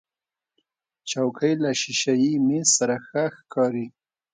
چوکۍ له شیشهيي میز سره ښه ښکاري.